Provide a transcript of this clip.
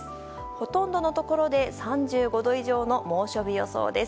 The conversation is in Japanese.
ほとんどのところで３５度以上の猛暑日予想です。